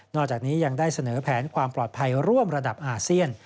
จากนี้ยังได้เสนอแผนความปลอดภัยร่วมระดับอาเซียน